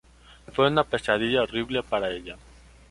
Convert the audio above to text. Fue una pesadilla horrible para ella.